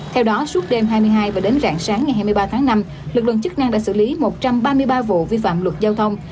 theo đó suốt đêm hai mươi hai và đến rạng sáng ngày hai mươi ba tháng năm lực lượng chức năng đã xử lý một trăm ba mươi ba vụ vi phạm luật giao thông